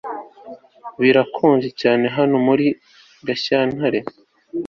Birakonje cyane hano muri Gashyantare